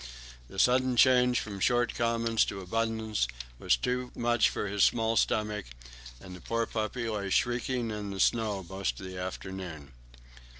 The sudden change from short commons to abundance was too much for his small stomach, and the poor puppy lay shrieking in the snow most of the afternoon.